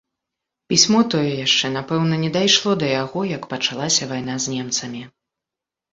Пісьмо тое яшчэ, напэўна, не дайшло да яго, як пачалася вайна з немцамі.